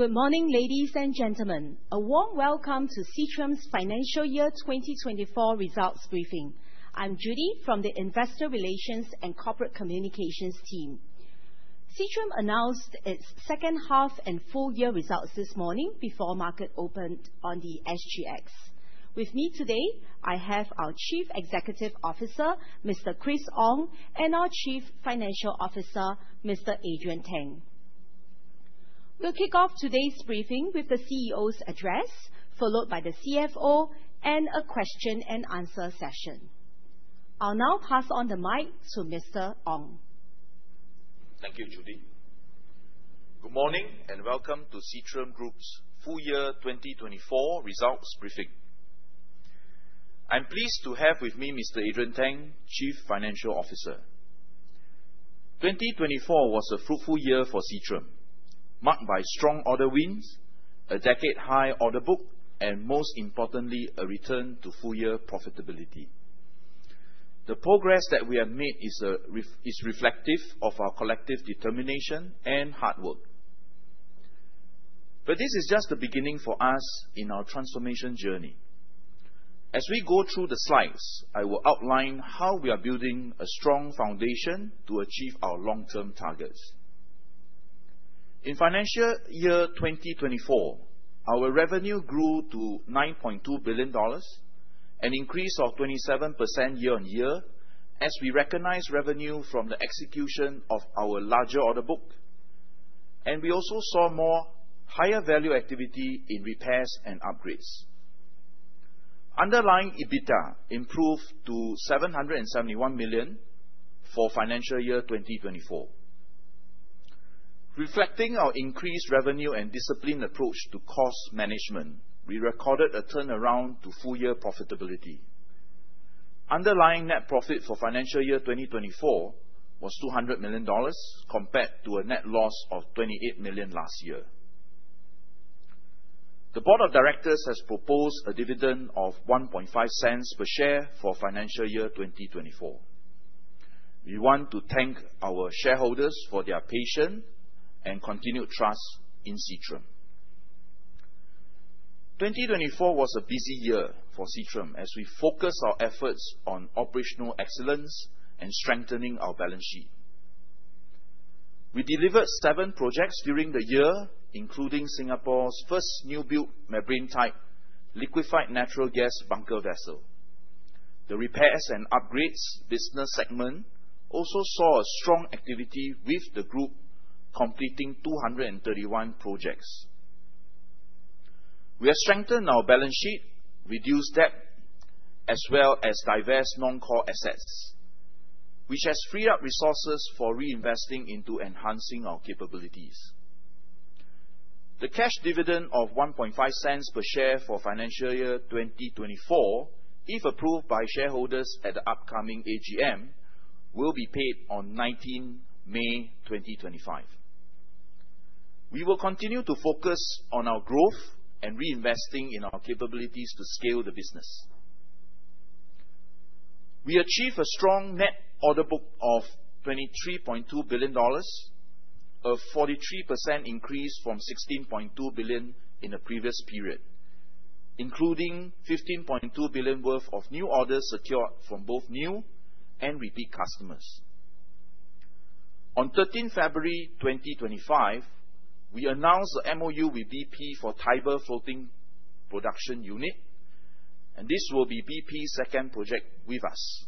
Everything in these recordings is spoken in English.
Good morning, ladies and gentlemen. A warm welcome to Seatrium's financial year 2024 results briefing. I'm Judy from the Investor Relations and Corporate Communications team. Seatrium announced its second half and full year results this morning before market open on the SGX. With me today, I have our Chief Executive Officer, Mr. Chris Ong, and our Chief Financial Officer, Mr. Adrian Teng. We'll kick off today's briefing with the CEO's address, followed by the CFO and a question-and-answer session. I'll now pass on the mic to Mr. Ong. Thank you, Judy. Good morning and welcome to Seatrium Group's full year 2024 results briefing. I'm pleased to have with me Mr. Adrian Teng, Chief Financial Officer. 2024 was a fruitful year for Seatrium, marked by strong order wins, a decade-high order book, and most importantly, a return to full year profitability. The progress that we have made is reflective of our collective determination and hard work. But this is just the beginning for us in our transformation journey. As we go through the slides, I will outline how we are building a strong foundation to achieve our long-term targets. In financial year 2024, our revenue grew to 9.2 billion dollars, an increase of 27% year-on-year, as we recognized revenue from the execution of our larger order book, and we also saw higher value activity in repairs and upgrades. Underlying EBITDA improved to 771 million for financial year 2024. Reflecting our increased revenue and disciplined approach to cost management, we recorded a turnaround to full-year profitability. Underlying net profit for financial year 2024 was 200 million dollars compared to a net loss of 28 million last year. The Board of Directors has proposed a dividend of 0.15 per share for financial year 2024. We want to thank our shareholders for their patience and continued trust in Seatrium. 2024 was a busy year for Seatrium as we focused our efforts on operational excellence and strengthening our balance sheet. We delivered seven projects during the year, including Singapore's first new-built membrane-type liquefied natural gas bunker vessel. The repairs and upgrades business segment also saw strong activity with the group completing 231 projects. We have strengthened our balance sheet, reduced debt, as well as divested non-core assets, which has freed up resources for reinvesting into enhancing our capabilities. The cash dividend of 0.15 per share for financial year 2024, if approved by shareholders at the upcoming AGM, will be paid on 19 May 2025. We will continue to focus on our growth and reinvesting in our capabilities to scale the business. We achieved a strong net order book of 23.2 billion dollars, a 43% increase from 16.2 billion in the previous period, including 15.2 billion worth of new orders secured from both new and repeat customers. On 13 February 2025, we announced the MoU with BP for Tiber Floating Production Unit, and this will be BP's second project with us,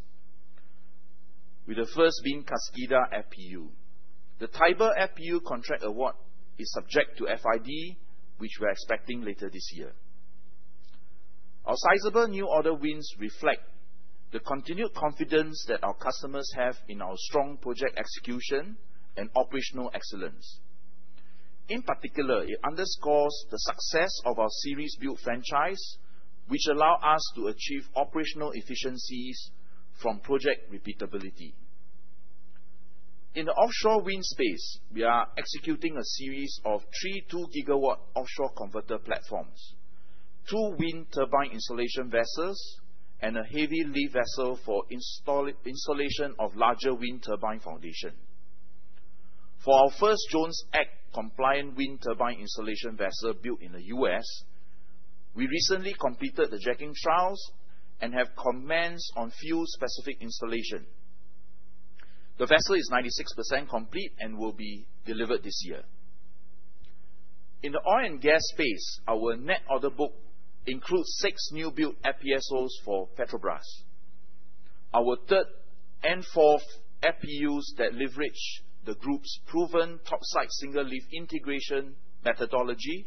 with the first being Kaskida FPU. The Tiber FPU contract award is subject to FID, which we are expecting later this year. Our sizable new order wins reflect the continued confidence that our customers have in our strong project execution and operational excellence. In particular, it underscores the success of our series-build franchise, which allows us to achieve operational efficiencies from project repeatability. In the offshore wind space, we are executing a series of three two-gigawatt offshore converter platforms, two wind turbine installation vessels, and a heavy lift vessel for installation of larger wind turbine foundation. For our first Jones Act-compliant wind turbine installation vessel built in the U.S., we recently completed the jacking trials and have commenced fuel-specific installation. The vessel is 96% complete and will be delivered this year. In the oil and gas space, our net order book includes six new-build FPSOs for Petrobras, our third and fourth FPUs that leverage the Group's proven topside single-lift integration methodology,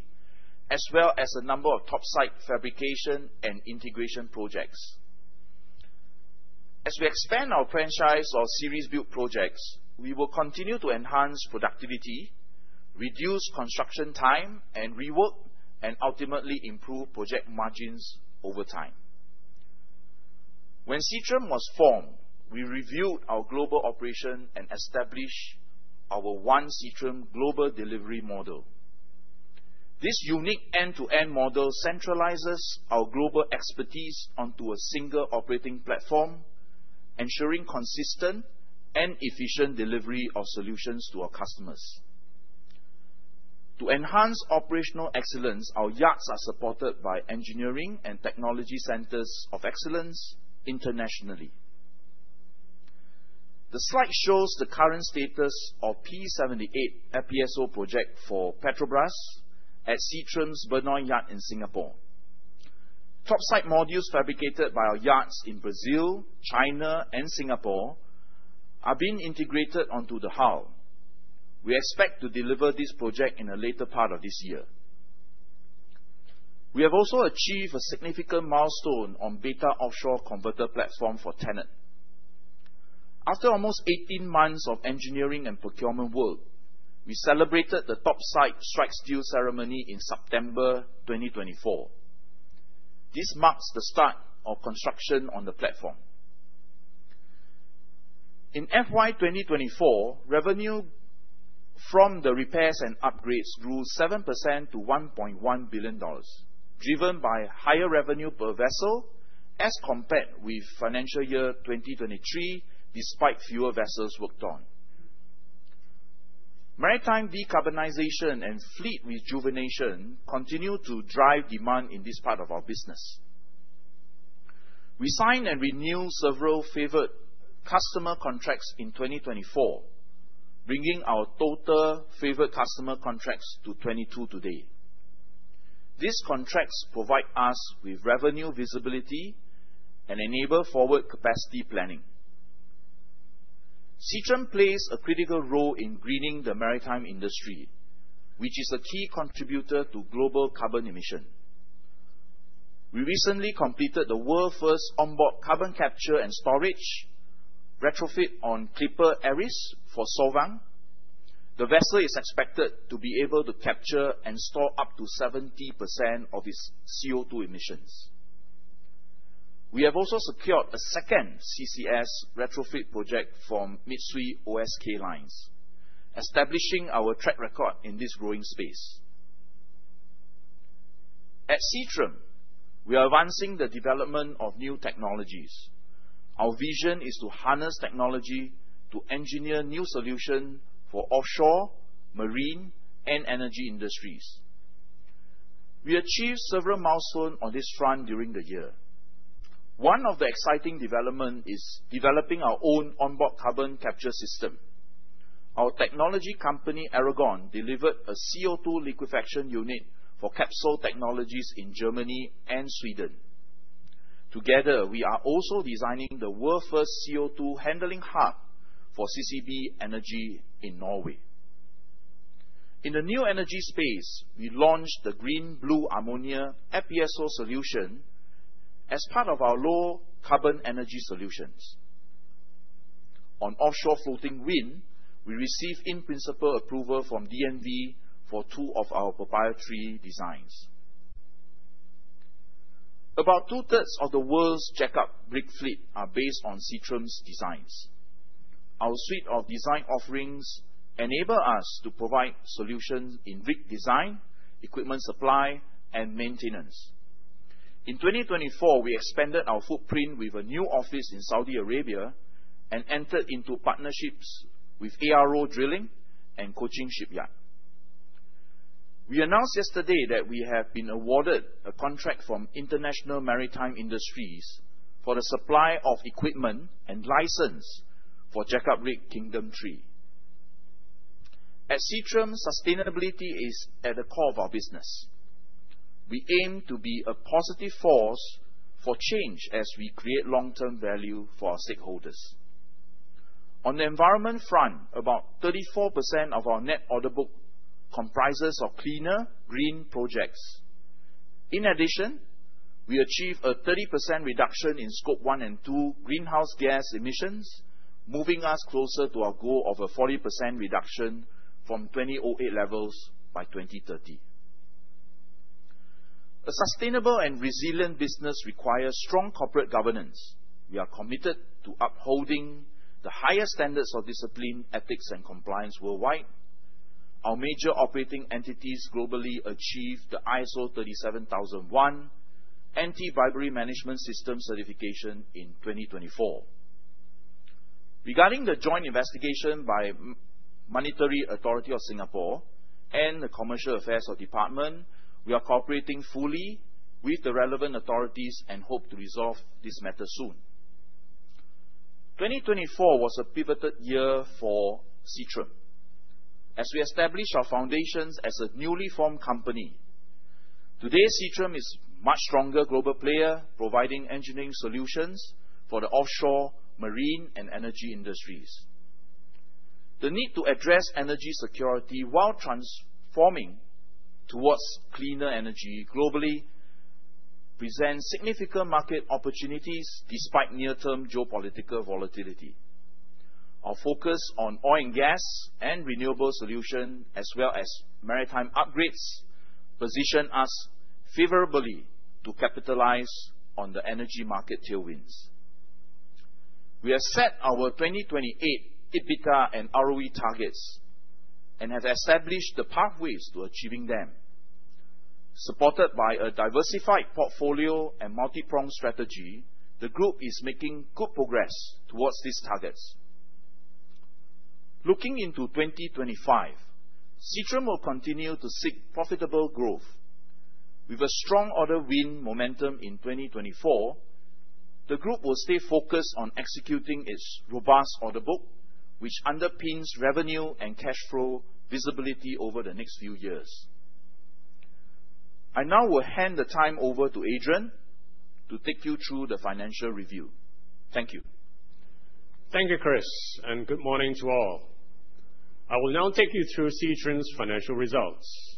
as well as a number of topside fabrication and integration projects. As we expand our franchise or series-build projects, we will continue to enhance productivity, reduce construction time, and rework, and ultimately improve project margins over time. When Seatrium was formed, we reviewed our global operation and established our One Seatrium Global Delivery Model. This unique end-to-end model centralizes our global expertise onto a single operating platform, ensuring consistent and efficient delivery of solutions to our customers. To enhance operational excellence, our yards are supported by Engineering and Technology Centers of Excellence internationally. The slide shows the current status of P-78 FPSO project for Petrobras at Seatrium's Benoi Yard in Singapore. Topside modules fabricated by our yards in Brazil, China, and Singapore are being integrated onto the hull. We expect to deliver this project in a later part of this year. We have also achieved a significant milestone on Beta offshore converter platform for TenneT. After almost 18 months of engineering and procurement work, we celebrated the topside strike steel ceremony in September 2024. This marks the start of construction on the platform. In FY24, revenue from the repairs and upgrades grew 7% to 1.1 billion dollars, driven by higher revenue per vessel as compared with financial year 2023, despite fewer vessels worked on. Maritime decarbonization and fleet rejuvenation continue to drive demand in this part of our business. We signed and renewed several Favoured Customer Contracts in 2024, bringing our total Favoured Customer Contracts to 22 today. These contracts provide us with revenue visibility and enable forward capacity planning. Seatrium plays a critical role in greening the maritime industry, which is a key contributor to global carbon emission. We recently completed the world's first onboard carbon capture and storage retrofit on Clipper Eris for Solvang. The vessel is expected to be able to capture and store up to 70% of its CO2 emissions. We have also secured a second CCS retrofit project from Mitsui O.S.K. Lines, establishing our track record in this growing space. At Seatrium, we are advancing the development of new technologies. Our vision is to harness technology to engineer new solutions for offshore, marine, and energy industries. We achieved several milestones on this front during the year. One of the exciting developments is developing our own onboard carbon capture system. Our technology company, Aragon, delivered a CO2 liquefaction unit for Capsol Technologies in Germany and Sweden. Together, we are also designing the world's first CO2 handling hub for CCB Energy in Norway. In the new energy space, we launched the Green Blue Ammonia FPSO solution as part of our low-carbon energy solutions. On offshore floating wind, we received in-principle approval from DNV for two of our proprietary designs. About two-thirds of the world's jack-up rig fleet are based on Seatrium's designs. Our suite of design offerings enables us to provide solutions in rig design, equipment supply, and maintenance. In 2024, we expanded our footprint with a new office in Saudi Arabia and entered into partnerships with ARO Drilling and Cochin Shipyard. We announced yesterday that we have been awarded a contract from International Maritime Industries for the supply of equipment and license for jack-up rig Kingdom 3. At Seatrium, sustainability is at the core of our business. We aim to be a positive force for change as we create long-term value for our stakeholders. On the environment front, about 34% of our net order book comprises cleaner, greener projects. In addition, we achieved a 30% reduction in Scope 1 and 2 greenhouse gas emissions, moving us closer to our goal of a 40% reduction from 2008 levels by 2030. A sustainable and resilient business requires strong corporate governance. We are committed to upholding the highest standards of discipline, ethics, and compliance worldwide. Our major operating entities globally achieved the ISO 37001 Anti-Bribery Management System certification in 2024. Regarding the joint investigation by the Monetary Authority of Singapore and the Commercial Affairs Department, we are cooperating fully with the relevant authorities and hope to resolve this matter soon. 2024 was a pivotal year for Seatrium. As we established our foundations as a newly formed company, today Seatrium is a much stronger global player, providing engineering solutions for the offshore, marine, and energy industries. The need to address energy security while transforming towards cleaner energy globally presents significant market opportunities despite near-term geopolitical volatility. Our focus on oil and gas and renewable solutions, as well as maritime upgrades, positions us favorably to capitalize on the energy market tailwinds. We have set our 2028 EBITDA and ROE targets and have established the pathways to achieving them. Supported by a diversified portfolio and multi-pronged strategy, the Group is making good progress towards these targets. Looking into 2025, Seatrium will continue to seek profitable growth. With a strong order win momentum in 2024, the Group will stay focused on executing its robust order book, which underpins revenue and cash flow visibility over the next few years. I now will hand the time over to Adrian to take you through the financial review. Thank you. Thank you, Chris, and good morning to all. I will now take you through Seatrium's financial results.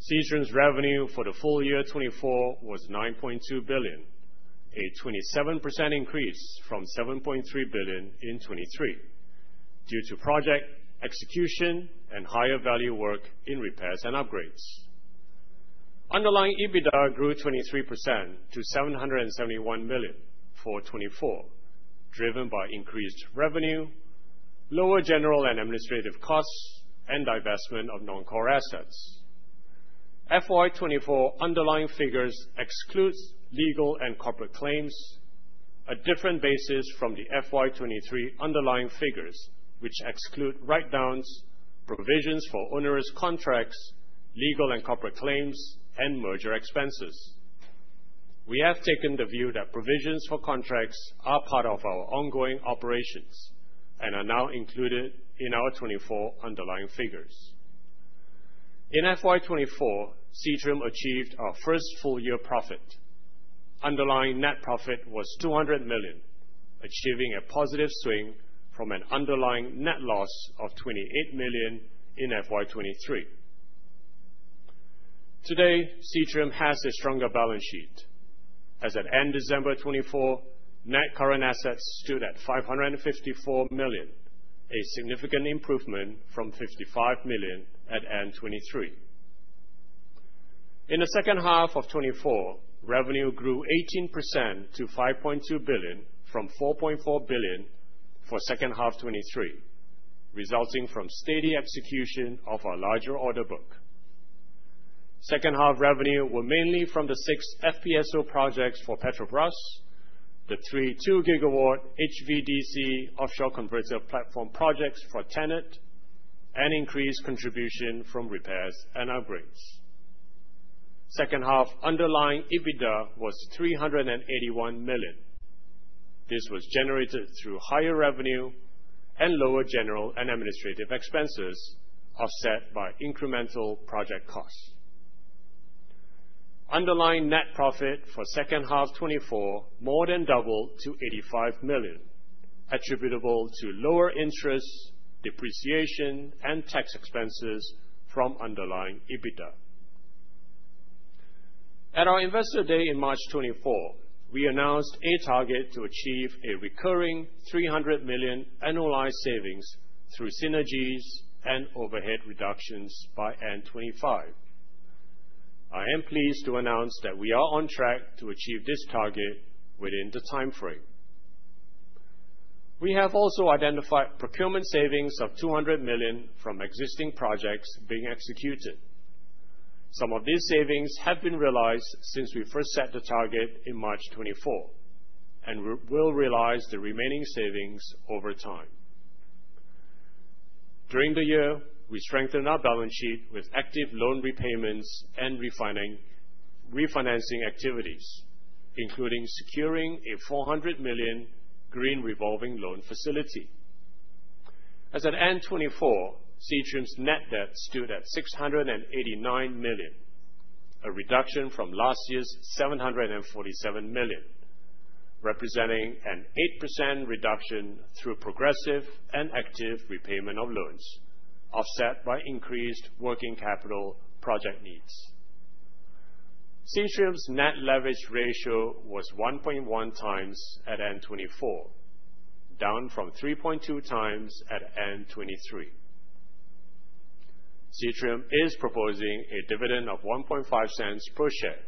Seatrium's revenue for the full year 2024 was 9.2 billion, a 27% increase from 7.3 billion in 2023, due to project execution and higher value work in repairs and upgrades. Underlying EBITDA grew 23% to 771 million for 2024, driven by increased revenue, lower general and administrative costs, and divestment of non-core assets. FY24 underlying figures exclude legal and corporate claims, a different basis from the FY23 underlying figures, which exclude write-downs, provisions for onerous contracts, legal and corporate claims, and merger expenses. We have taken the view that provisions for contracts are part of our ongoing operations and are now included in our 2024 underlying figures. In FY24, Seatrium achieved our first full-year profit. Underlying net profit was 200 million, achieving a positive swing from an underlying net loss of 28 million in FY23. Today, Seatrium has a stronger balance sheet, as at end December 2024, net current assets stood at 554 million, a significant improvement from 55 million at end 2023. In the second half of 2024, revenue grew 18% to 5.2 billion from 4.4 billion for second half 2023, resulting from steady execution of our larger order book. Second half revenue were mainly from the six FPSO projects for Petrobras, the three 2-gigawatt HVDC offshore converter platform projects for TenneT, and increased contribution from repairs and upgrades. Second half underlying EBITDA was 381 million. This was generated through higher revenue and lower general and administrative expenses offset by incremental project costs. Underlying net profit for second half 2024 more than doubled to 85 million, attributable to lower interest, depreciation, and tax expenses from underlying EBITDA. At our Investor Day in March 2024, we announced a target to achieve a recurring 300 million annualized savings through synergies and overhead reductions by end 2025. I am pleased to announce that we are on track to achieve this target within the timeframe. We have also identified procurement savings of 200 million from existing projects being executed. Some of these savings have been realized since we first set the target in March 2024, and we will realize the remaining savings over time. During the year, we strengthened our balance sheet with active loan repayments and refinancing activities, including securing a 400 million Green Revolving Loan facility. As at end 2024, Seatrium's net debt stood at 689 million, a reduction from last year's 747 million, representing an 8% reduction through progressive and active repayment of loans, offset by increased working capital project needs. Seatrium's net leverage ratio was 1.1 times at end 2024, down from 3.2 times at end 2023. Seatrium is proposing a dividend of 0.05 per share,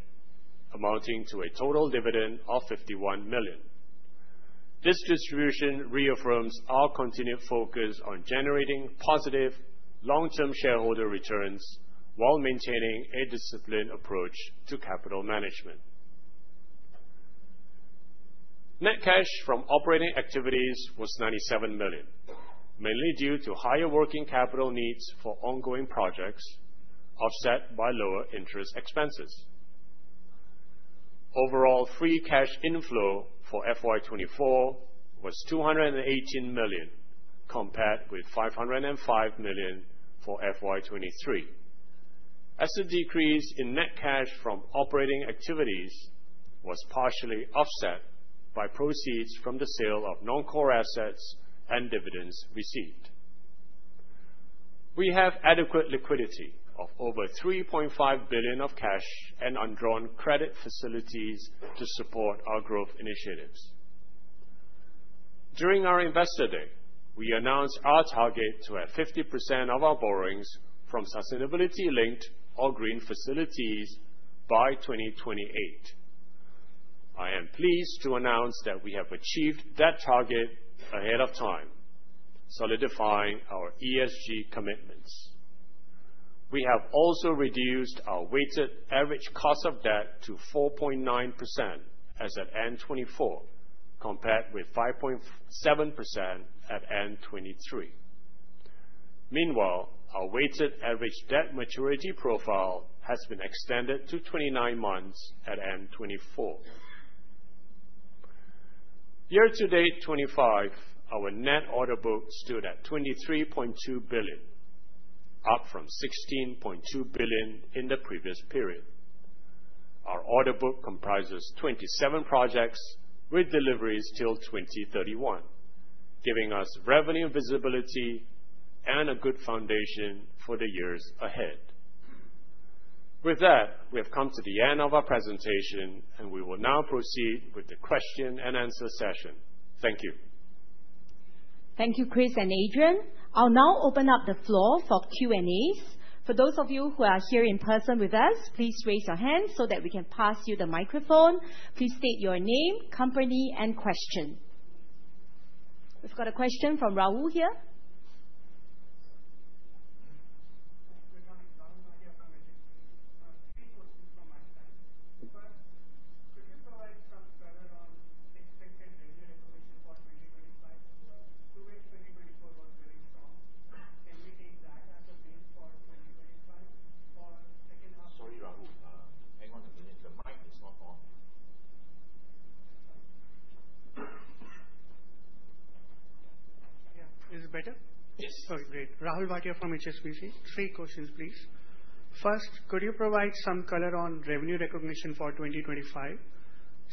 amounting to a total dividend of 51 million. This distribution reaffirms our continued focus on generating positive long-term shareholder returns while maintaining a disciplined approach to capital management. Net cash from operating activities was 97 million, mainly due to higher working capital needs for ongoing projects offset by lower interest expenses. Overall, free cash inflow for FY24 was 218 million, compared with 505 million for FY23, as the decrease in net cash from operating activities was partially offset by proceeds from the sale of non-core assets and dividends received. We have adequate liquidity of over 3.5 billion of cash and underwritten credit facilities to support our growth initiatives. During our Investor Day, we announced our target to have 50% of our borrowings from sustainability-linked or green facilities by 2028. I am pleased to announce that we have achieved that target ahead of time, solidifying our ESG commitments. We have also reduced our weighted average cost of debt to 4.9% as at end 2024, compared with 5.7% at end 2023. Meanwhile, our weighted average debt maturity profile has been extended to 29 months at end 2024. Year-to-date 2025, our net order book stood at 23.2 billion, up from 16.2 billion in the previous period. Our order book comprises 27 projects with deliveries till 2031, giving us revenue visibility and a good foundation for the years ahead. With that, we have come to the end of our presentation, and we will now proceed with the Q&A session. Thank you. Thank you, Chris and Adrian. I'll now open up the floor for Q&As. For those of you who are here in person with us, please raise your hand so that we can pass you the microphone. Please state your name, company, and question. We've got a question from Rahul here. [inaudible] Sorry, Rahul. Hang on a minute. The mic is not on. Yeah. Is it better? Yes. Okay, great. Rahul Bhatia from HSBC. Three questions, please. First, could you provide some color on revenue recognition for 2025?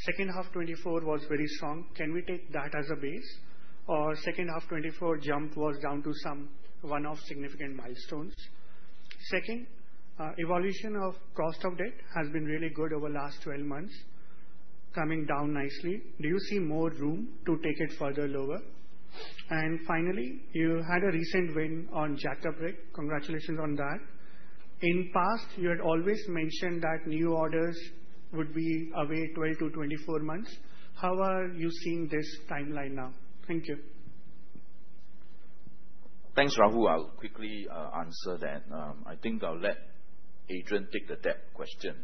Second half 2024 was very strong. Can we take that as a base? Or second half 2024 jump was down to some one-off significant milestones? Second, evolution of cost of debt has been really good over the last 12 months, coming down nicely. Do you see more room to take it further lower? And finally, you had a recent win on jack-up rig. Congratulations on that. In the past, you had always mentioned that new orders would be away 12-24 months. How are you seeing this timeline now? Thank you. Thanks, Rahul. I'll quickly answer that. I think I'll let Adrian take the debt question.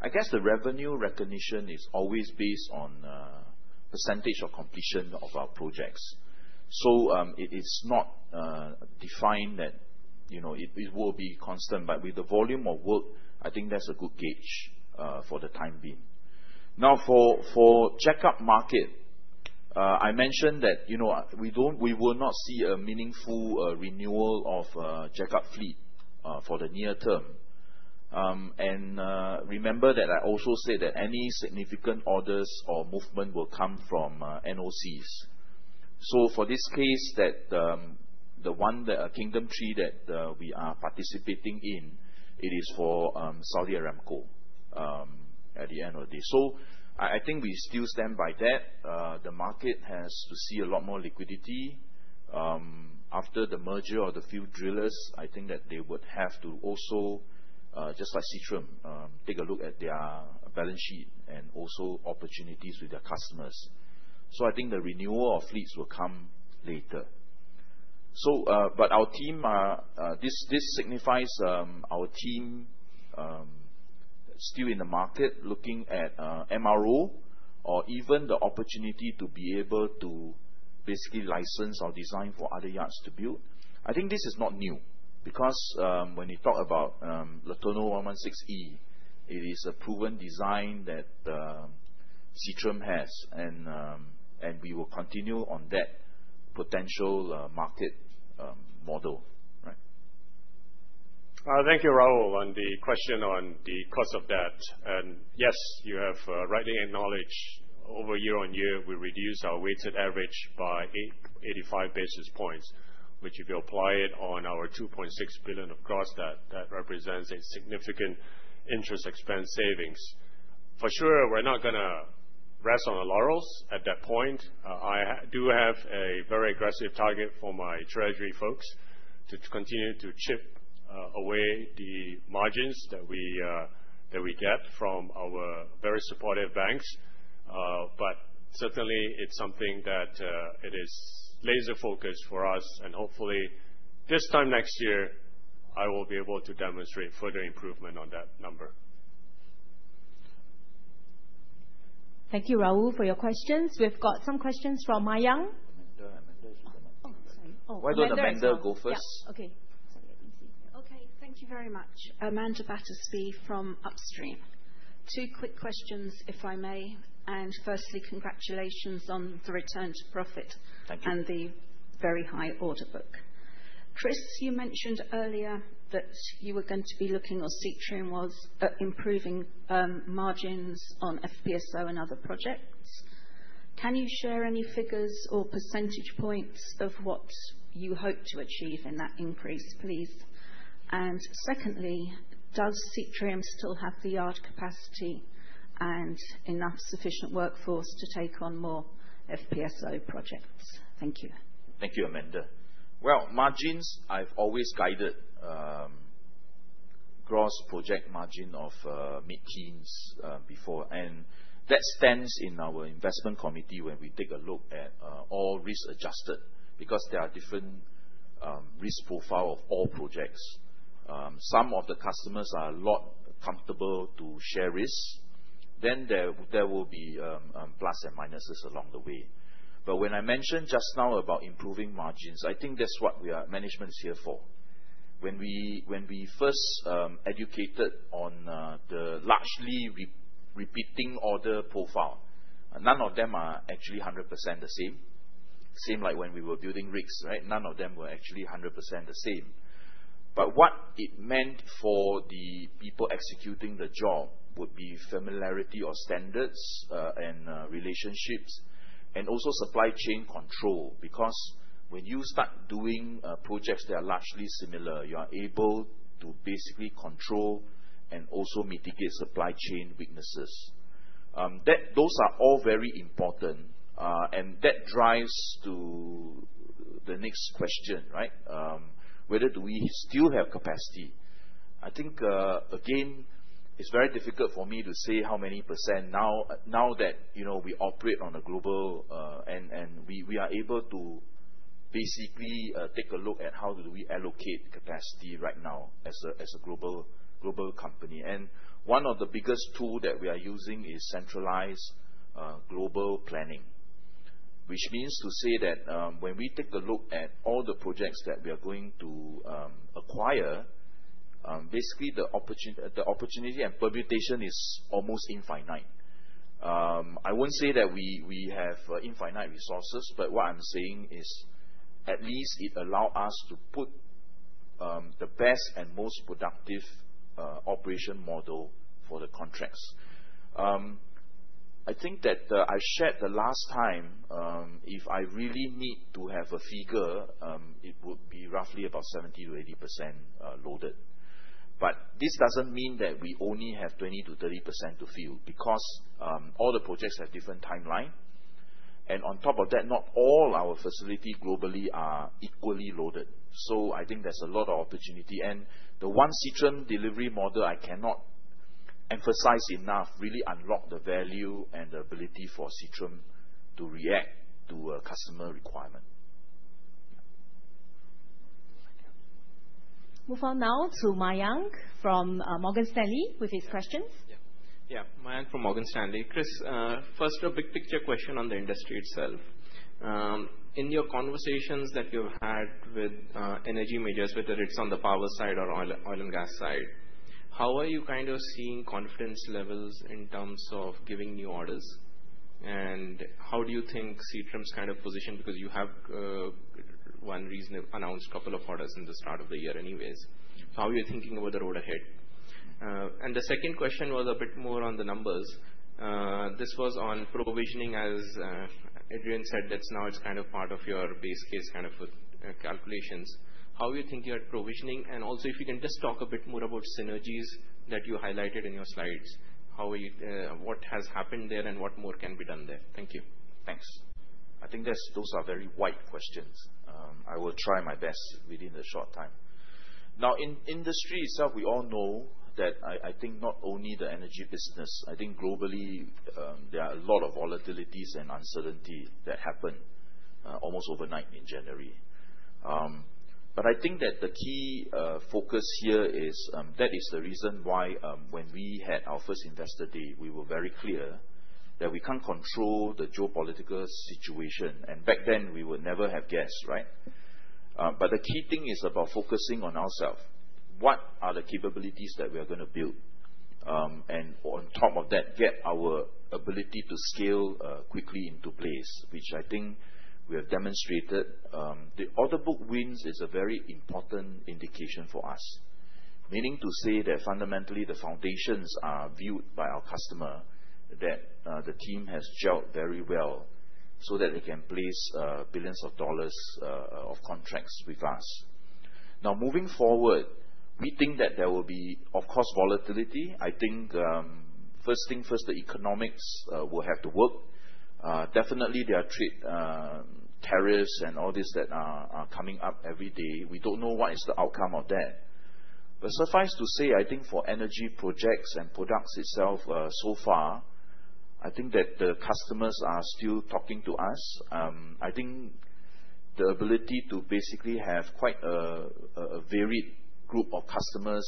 I guess the revenue recognition is always based on percentage of completion of our projects. So it's not defined that it will be constant. But with the volume of work, I think that's a good gauge for the time being. Now, for jack-up market, I mentioned that we will not see a meaningful renewal of jack-up fleet for the near term. Remember that I also said that any significant orders or movement will come from NOCs. For this case, the one that a Kingdom 3 that we are participating in, it is for Saudi Aramco at the end of the day. I think we still stand by that. The market has to see a lot more liquidity. After the merger of the few drillers, I think that they would have to also, just like Seatrium, take a look at their balance sheet and also opportunities with their customers. I think the renewal of fleets will come later. But our team, this signifies our team still in the market looking at MRO or even the opportunity to be able to basically license or design for other yards to build. I think this is not new because when you talk about LeTourneau 116E, it is a proven design that Seatrium has. We will continue on that potential market model. Thank you, Rahul, on the question on the cost of debt. Yes, you have rightly acknowledged year on year, we reduce our weighted average by 85 basis points, which if you apply it on our $2.6 billion of gross, that represents a significant interest expense savings. For sure, we're not going to rest on our laurels at that point. I do have a very aggressive target for my Treasury folks to continue to chip away the margins that we get from our very supportive banks. But certainly, it's something that it is laser-focused for us. Hopefully, this time next year, I will be able to demonstrate further improvement on that number. Thank you, Rahul, for your questions. We've got some questions from Mayank. Amanda, should I go first? Why don't Amanda go first? Okay. Okay. Thank you very much. Amanda Battersby from Upstream. Two quick questions, if I may. And firstly, congratulations on the return to profit and the very high order book. Chris, you mentioned earlier that you were going to be looking or Seatrium was improving margins on FPSO and other projects. Can you share any figures or percentage points of what you hope to achieve in that increase, please? And secondly, does Seatrium still have the yard capacity and enough sufficient workforce to take on more FPSO projects? Thank you. Thank you, Amanda. Well, margins, I've always guided gross project margin of mid-teens before. And that stands in our investment committee when we take a look at all risk-adjusted because there are different risk profiles of all projects. Some of the customers are not comfortable to share risk. Then there will be plus and minuses along the way. But when I mentioned just now about improving margins, I think that's what management is here for. When we first educated on the largely repeating order profile, none of them are actually 100% the same. Same like when we were building rigs, right? None of them were actually 100% the same. But what it meant for the people executing the job would be familiarity or standards and relationships and also supply chain control. Because when you start doing projects that are largely similar, you are able to basically control and also mitigate supply chain weaknesses. Those are all very important. And that drives to the next question, right? Whether do we still have capacity? I think, again, it's very difficult for me to say how many % now that we operate on a global and we are able to basically take a look at how do we allocate capacity right now as a global company. And one of the biggest tools that we are using is centralized global planning, which means to say that when we take a look at all the projects that we are going to acquire, basically the opportunity and permutation is almost infinite. I won't say that we have infinite resources, but what I'm saying is at least it allows us to put the best and most productive operation model for the contracts. I think that I shared the last time, if I really need to have a figure, it would be roughly about 70%-80% loaded. But this doesn't mean that we only have 20%-30% to fill because all the projects have different timelines. And on top of that, not all our facilities globally are equally loaded. So I think there's a lot of opportunity. And the One Seatrium delivery model I cannot emphasize enough really unlocked the value and the ability for Seatrium to react to a customer requirement. Thank you. Move on now to Mayank from Morgan Stanley with his questions. Yeah. Mayank from Morgan Stanley. Chris, first, a big picture question on the industry itself. In your conversations that you've had with energy majors, whether it's on the power side or oil and gas side, how are you kind of seeing confidence levels in terms of giving new orders? And how do you think Seatrium's kind of position? Because you have one reason to announce a couple of orders in the start of the year anyways. So how are you thinking about the road ahead? And the second question was a bit more on the numbers. This was on provisioning, as Adrian said, that now it's kind of part of your base case kind of calculations. How do you think you're provisioning? And also, if you can just talk a bit more about synergies that you highlighted in your slides, what has happened there and what more can be done there? Thank you. Thanks. I think those are very wide questions. I will try my best within the short time. Now, in industry itself, we all know that I think not only the energy business, I think globally there are a lot of volatilities and uncertainty that happened almost overnight in January. But I think that the key focus here is that is the reason why when we had our first investor day, we were very clear that we can't control the geopolitical situation. And back then, we would never have guessed, right? But the key thing is about focusing on ourselves. What are the capabilities that we are going to build? And on top of that, get our ability to scale quickly into place, which I think we have demonstrated. The order book wins is a very important indication for us, meaning to say that fundamentally the foundations are viewed by our customer that the team has gelled very well so that they can place billions of SGD of contracts with us. Now, moving forward, we think that there will be, of course, volatility. I think first thing first, the economics will have to work. Definitely, there are trade tariffs and all this that are coming up every day. We don't know what is the outcome of that. But suffice to say, I think for energy projects and products itself so far, I think that the customers are still talking to us. I think the ability to basically have quite a varied group of customers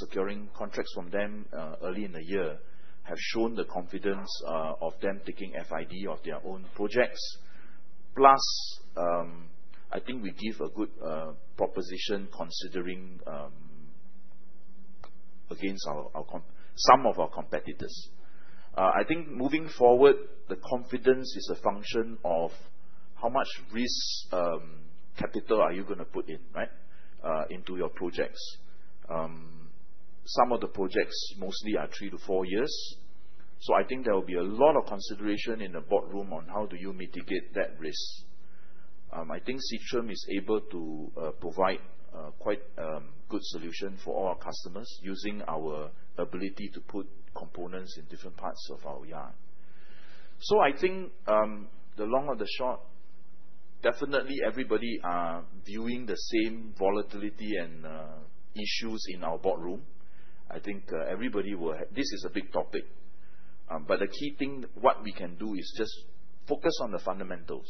securing contracts from them early in the year has shown the confidence of them taking FID of their own projects. Plus, I think we give a good proposition considering against some of our competitors. I think moving forward, the confidence is a function of how much risk capital are you going to put in, right, into your projects. Some of the projects mostly are three-to-four years. So I think there will be a lot of consideration in the boardroom on how do you mitigate that risk. I think Seatrium is able to provide quite a good solution for all our customers using our ability to put components in different parts of our yard. So I think the long or the short, definitely everybody is viewing the same volatility and issues in our boardroom. I think everybody will have this is a big topic. But the key thing, what we can do is just focus on the fundamentals.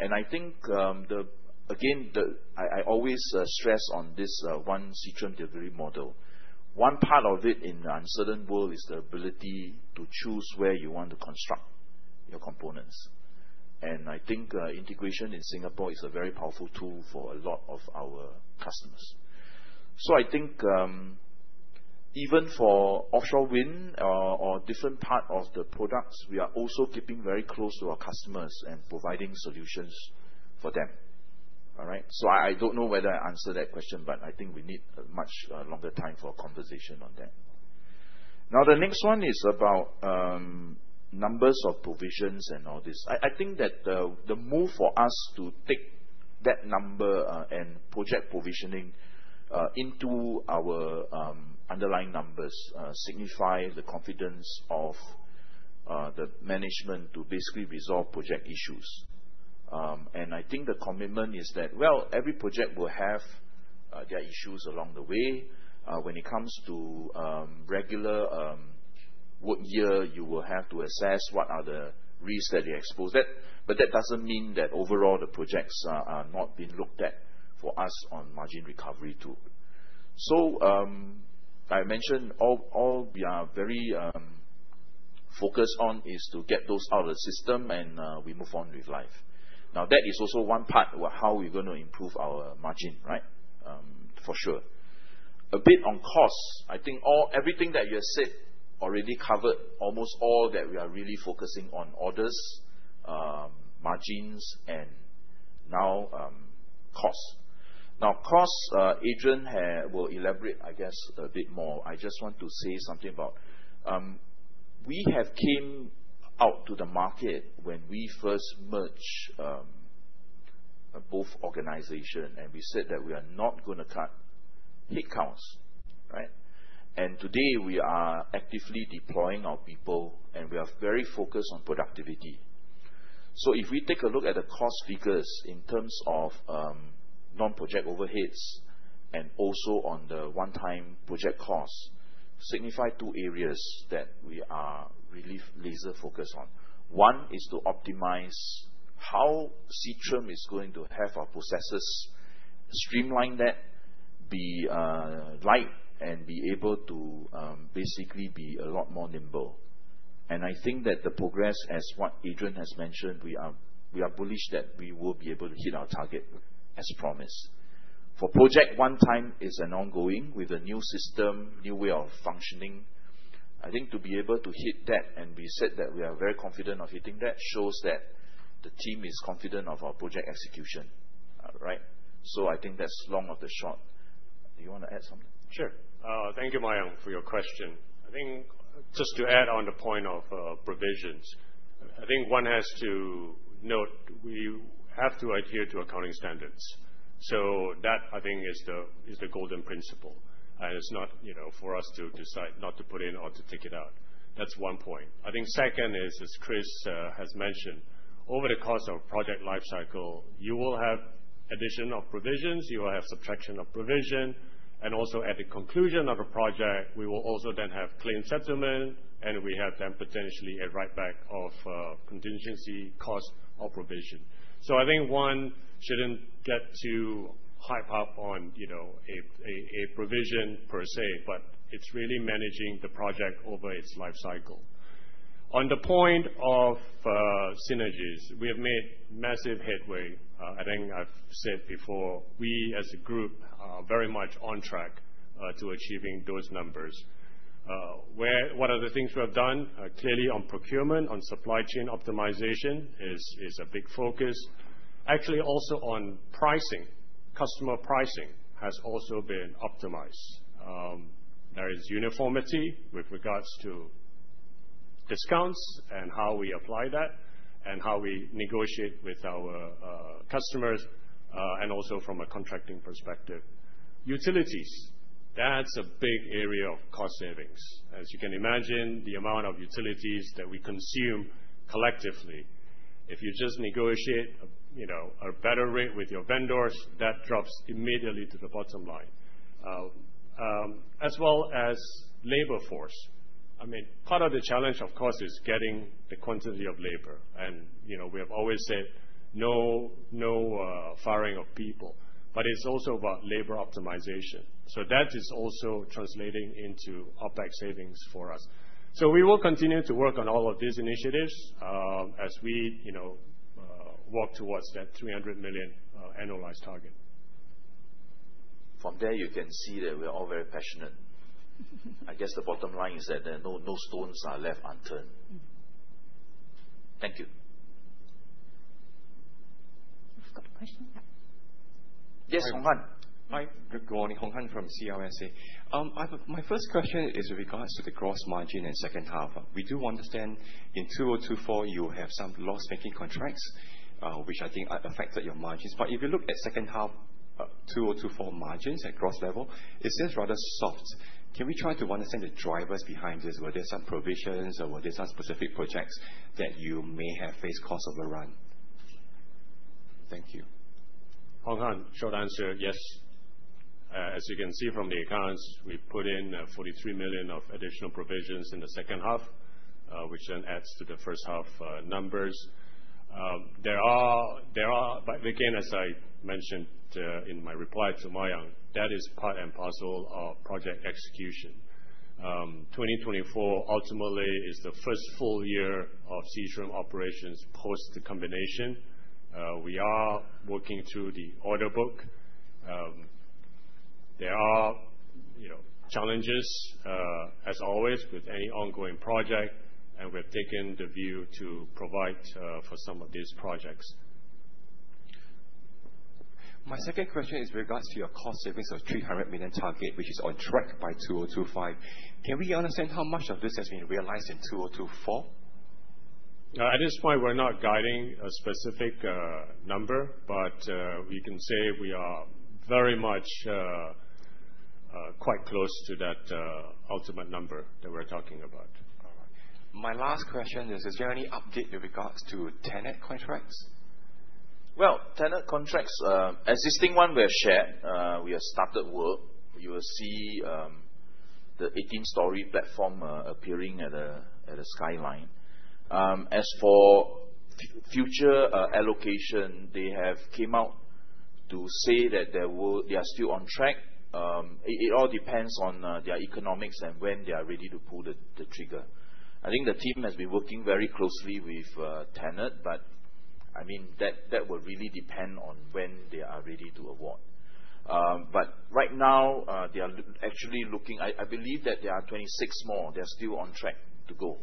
And I think, again, I always stress on this One Seatrium delivery model. One part of it in the uncertain world is the ability to choose where you want to construct your components. And I think integration in Singapore is a very powerful tool for a lot of our customers. So I think even for offshore wind or different parts of the products, we are also keeping very close to our customers and providing solutions for them. All right? So I don't know whether I answered that question, but I think we need a much longer time for a conversation on that. Now, the next one is about numbers of provisions and all this. I think that the move for us to take that number and project provisioning into our underlying numbers signifies the confidence of the management to basically resolve project issues. And I think the commitment is that, well, every project will have their issues along the way. When it comes to regular work year, you will have to assess what are the risks that you expose. But that doesn't mean that overall the projects are not being looked at for us on margin recovery too. So I mentioned all we are very focused on is to get those out of the system and we move on with life. Now, that is also one part of how we're going to improve our margin, right, for sure. A bit on cost, I think everything that you have said already covered almost all that we are really focusing on: orders, margins, and now cost. Now, cost, Adrian will elaborate, I guess, a bit more. I just want to say something about we have come out to the market when we first merged both organizations, and we said that we are not going to cut headcounts, right? And today, we are actively deploying our people, and we are very focused on productivity. So if we take a look at the cost figures in terms of non-project overheads and also on the one-time project cost, signify two areas that we are really laser-focused on. One is to optimize how Seatrium is going to have our processes, streamline that, be light, and be able to basically be a lot more nimble. And I think that the progress, as what Adrian has mentioned, we are bullish that we will be able to hit our target as promised. For project one-time is an ongoing with a new system, new way of functioning. I think to be able to hit that and we said that we are very confident of hitting that shows that the team is confident of our project execution, right? So I think that's long or the short. Do you want to add something? Sure. Thank you, Mayank, for your question. I think just to add on the point of provisions, I think one has to note we have to adhere to accounting standards. So that, I think, is the golden principle. It's not for us to decide not to put in or to take it out. That's one point. I think second is, as Chris has mentioned, over the course of a project lifecycle, you will have addition of provisions, you will have subtraction of provision. Also, at the conclusion of a project, we will also then have claim settlement, and we have then potentially a write-back of contingency cost of provision. I think one shouldn't get too hype up on a provision per se, but it's really managing the project over its lifecycle. On the point of synergies, we have made massive headway. I think I've said before, we as a group are very much on track to achieving those numbers. What are the things we have done? Clearly, on procurement, on supply chain optimization is a big focus. Actually, also on pricing, customer pricing has also been optimized. There is uniformity with regards to discounts and how we apply that and how we negotiate with our customers and also from a contracting perspective. Utilities, that's a big area of cost savings. As you can imagine, the amount of utilities that we consume collectively, if you just negotiate a better rate with your vendors, that drops immediately to the bottom line. As well as labor force. I mean, part of the challenge, of course, is getting the quantity of labor, and we have always said no firing of people, but it's also about labor optimization. So that is also translating into OpEx savings for us. So we will continue to work on all of these initiatives as we walk towards that 300 million annualized target. From there, you can see that we are all very passionate. I guess the bottom line is that no stones are left unturned. Thank you. You've got a question? Yes, Hornghan. Hi. Good morning. Hornghan from CLSA. My first question is with regards to the gross margin and second half. We do understand in 2024, you have some loss-making contracts, which I think affected your margins. But if you look at second half 2024 margins at gross level, it seems rather soft. Can we try to understand the drivers behind this? Were there some provisions or were there some specific projects that you may have faced cost overrun? Thank you. Hornghan, short answer, yes. As you can see from the accounts, we put in 43 million of additional provisions in the second half, which then adds to the first half numbers. There are, but again, as I mentioned in my reply to Mayank, that is part and parcel of project execution. 2024 ultimately is the first full year of Seatrium operations post the combination. We are working through the order book. There are challenges, as always, with any ongoing project, and we have taken the view to provide for some of these projects. My second question is with regards to your cost savings of 300 million target, which is on track by 2025. Can we understand how much of this has been realized in 2024? At this point, we're not guiding a specific number, but we can say we are very much quite close to that ultimate number that we're talking about. All right. My last question is, is there any update with regards to TenneT contracts? Well, TenneT contracts, existing one, we have shared. We have started work. You will see the 18-story platform appearing at the skyline. As for future allocation, they have come out to say that they are still on track. It all depends on their economics and when they are ready to pull the trigger. I think the team has been working very closely with TenneT, but I mean, that will really depend on when they are ready to award. But right now, they are actually looking I believe that there are 26 more. They are still on track to go.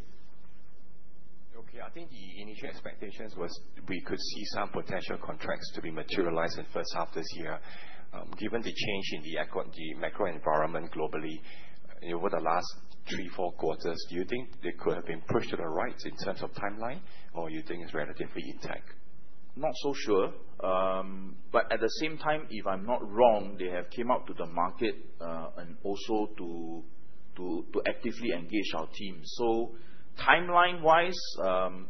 Okay. I think the initial expectations was we could see some potential contracts to be materialized in first half this year. Given the change in the macro environment globally over the last three, four quarters, do you think they could have been pushed to the right in terms of timeline, or you think it's relatively intact? Not so sure. But at the same time, if I'm not wrong, they have come out to the market and also to actively engage our team. So timeline-wise,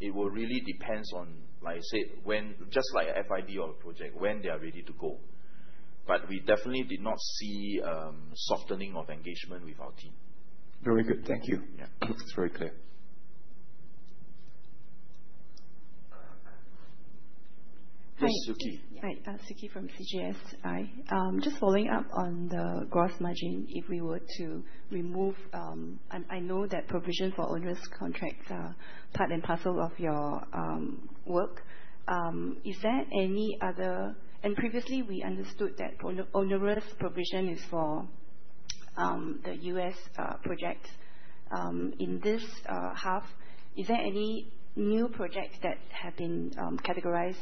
it will really depend on, like I said, just like FID or project, when they are ready to go. But we definitely did not see softening of engagement with our team. Very good. Thank you. It's very clear. Hi. Siew Khee from CGS. Hi. Just following up on the gross margin, if we were to remove, I know that provision for onerous contracts are part and parcel of your work. Is there any other, and previously, we understood that onerous provision is for the US projects. In this half, is there any new projects that have been categorized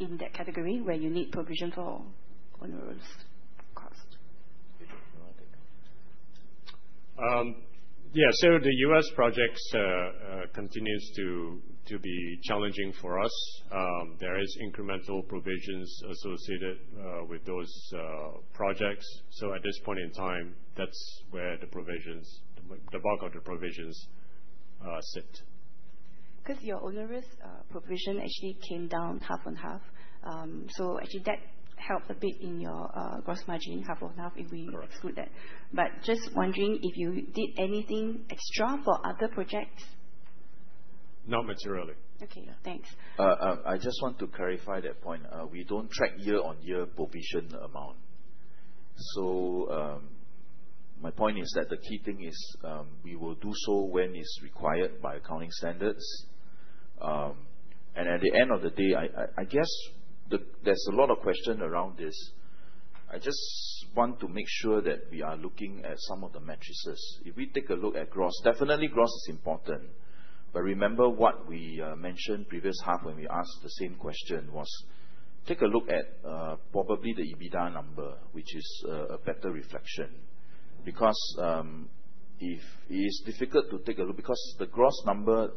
in that category where you need provision for onerous cost? Yeah. So the US projects continue to be challenging for us. There are incremental provisions associated with those projects, so at this point in time, that's where the bulk of the provisions sit. Because your onerous provision actually came down half and half. So actually, that helped a bit in your gross margin, half and half, if we exclude that. But just wondering if you did anything extra for other projects? Not materially. Okay. Thanks. I just want to clarify that point. We don't track year-on-year provision amount, so my point is that the key thing is we will do so when it's required by accounting standards, and at the end of the day, I guess there's a lot of questions around this. I just want to make sure that we are looking at some of the metrics. If we take a look at gross, definitely gross is important. But remember what we mentioned previous half when we asked the same question was take a look at probably the EBITDA number, which is a better reflection. Because it is difficult to take a look because the gross number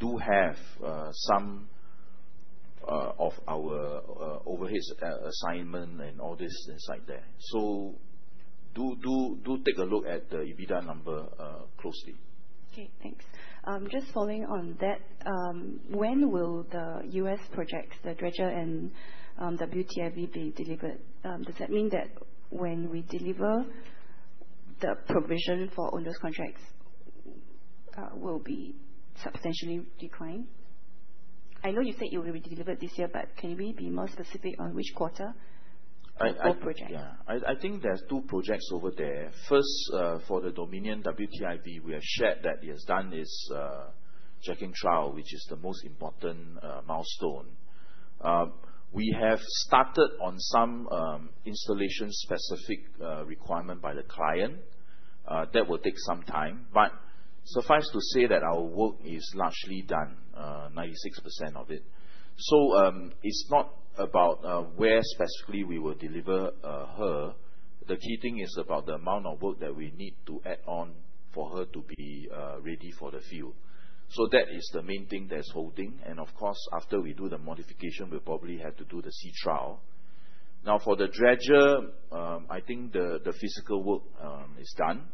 do have some of our overhead assignment and all this inside there. So do take a look at the EBITDA number closely. Okay. Thanks. Just following on that, when will the US projects, the dredger and WTIV, be delivered? Does that mean that when we deliver, the provision for onerous contracts will be substantially declined? I know you said it will be delivered this year, but can you be more specific on which quarter or project? Yeah. I think there are two projects over there. First, for the Dominion WTIV, we have shared that it has done its sea trial, which is the most important milestone. We have started on some installation-specific requirement by the client. That will take some time. But suffice to say that our work is largely done, 96% of it. So it's not about where specifically we will deliver her. The key thing is about the amount of work that we need to add on for her to be ready for the field. So that is the main thing that's holding. And of course, after we do the modification, we'll probably have to do the sea trial. Now, for the dredger, I think the physical work is done.